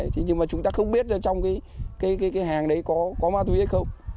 thế nhưng mà chúng ta không biết ra trong cái hàng đấy có ma túy hay không